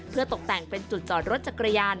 เพื่อตกแต่งเป็นจุดจอดรถจักรยาน